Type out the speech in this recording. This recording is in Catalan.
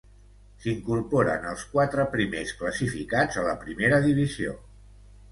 S'incorporen els quatre primers classificats a la Primera Divisió.